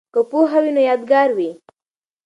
که پوهه وي نو یادګار وي.